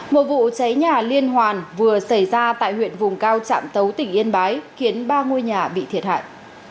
một vụ cháy nhà liên hoàn vừa xảy ra tại huyện vùng cao trạm tấu tỉnh yên bái khiến ba ngôi nhà bị thiệt hại